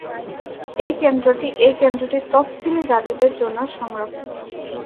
এই কেন্দ্রটি এই কেন্দ্রটি তফসিলী জাতিদের জন্য সংরক্ষিত।